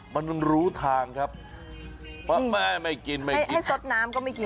มันรู้ทางครับไม่กินไม่กินให้ซดน้ำก็ไม่กิน